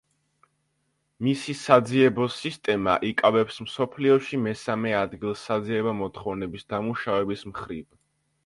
მისი საძიებო სისტემა იკავებს მსოფლიოში მესამე ადგილს საძიებო მოთხოვნების დამუშავების მხრივ.